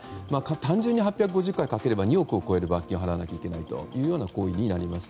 単純に８５０回かければ２億を超える罰金を払わなきゃいけない行為になります。